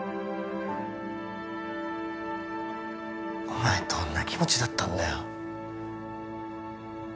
お前どんな気持ちだったんだよ